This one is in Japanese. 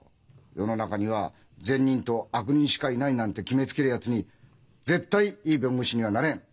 世の中には善人と悪人しかいないなんて決めつけるやつに絶対いい弁護士にはなれん。